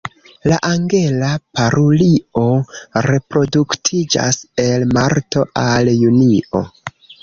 La Angela parulio reproduktiĝas el marto al junio.